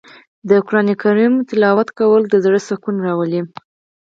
د قرآن لوستل د زړه سکون راولي.